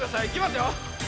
いきますよ。